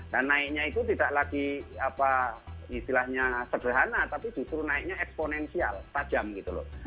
dan naiknya itu tidak lagi apa istilahnya sederhana tapi justru naiknya eksponensial tajam gitu loh